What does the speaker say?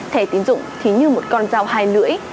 thẻ tiến dụng thì như một con dao hai lưỡi